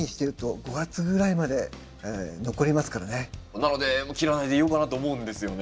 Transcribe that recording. なので切らないでいようかなと思うんですよね。